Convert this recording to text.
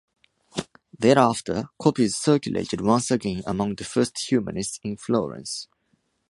Thereafter, copies circulated once again among the first humanists in Florence.